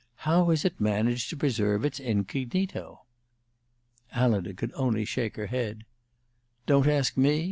How has it managed to preserve its incognito?" Alida could only shake her head. "Don't ask me.